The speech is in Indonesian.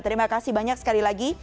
terima kasih banyak sekali lagi